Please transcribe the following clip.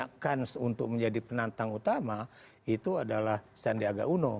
tentunya yang paling punya kans untuk menjadi penantang utama itu adalah sandiaga uno